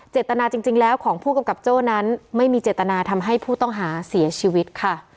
เจตนาจริงแล้วของผู้กำกับโจ้นั้นไม่มีเจตนาทำให้ผู้ต้องหาเสียชีวิตค่ะ